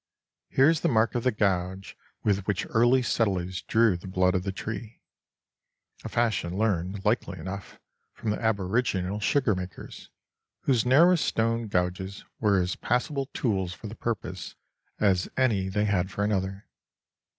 Here is the mark of the gouge with which early settlers drew the blood of the tree; a fashion learned, likely enough, from the aboriginal sugar makers, whose narrowest stone gouges were as passable tools for the purpose as any they had for another.